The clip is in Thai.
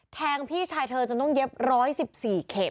แทงพี่ชายเธอจนต้องเย็บร้อยสิบสี่เข็ม